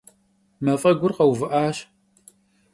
Maf'egur kheuvı'aş.